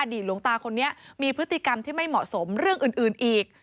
หลวงตาคนนี้มีพฤติกรรมที่ไม่เหมาะสมเรื่องอื่นอีก